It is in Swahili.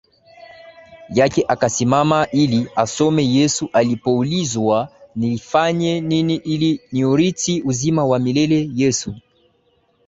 yake akasimama ili asome Yesu alipoulizwa Nifanye nini ili niurithi uzima wa Milele Yesu